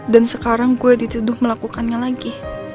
dan sekarang gue dituduh melakukannya lagi